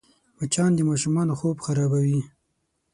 مچان د ماشومانو خوب خرابوي